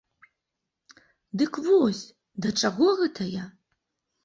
Дык вось, да чаго гэта я?